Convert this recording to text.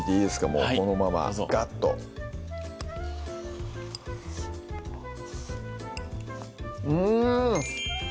もうこのままガッとうん！